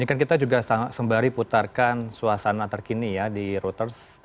ini kan kita juga sembari putarkan suasana terkini ya di reuters